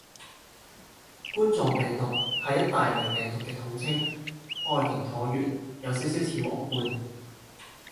冠狀病毒係一大類病毒嘅統稱，外形橢圓，有少少似王冠